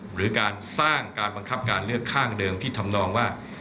หรือการสร้างการบังคับการเลือกข้างเดิมที่ทำนองว่า